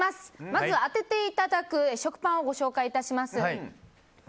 まず当てていただく食パンをご紹介致します。